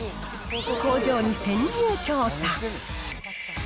工場に潜入調査。